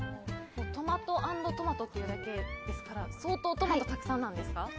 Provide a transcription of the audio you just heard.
トマト＆トマトというだけですから相当トマトたくさんなんですか。